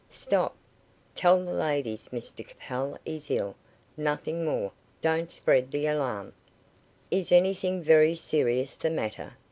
Stop. Tell the ladies Mr Capel is ill. Nothing more. Don't spread the alarm." "Is anything very serious the matter?"